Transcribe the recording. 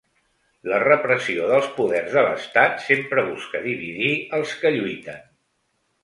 La repressió dels poders de l’estat sempre busca dividir als que lluiten.